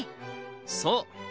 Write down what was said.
そう！